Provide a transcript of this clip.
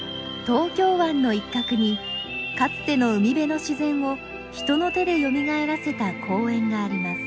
東京湾の一角にかつての海辺の自然を人の手でよみがえらせた公園があります。